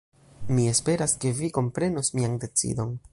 Mi esperas ke vi komprenos mian decidon.